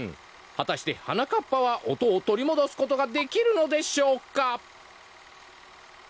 はたして「はなかっぱ」は音をとりもどすことができるのでしょうか！？